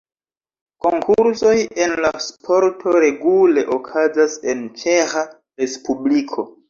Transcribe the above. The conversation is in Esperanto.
Konkursoj en la sporto regule okazas en Ĉeĥa respubliko.